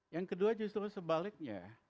yang kedua justru sebaliknya